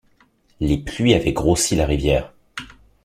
Les pluies avaient grossi la rivière.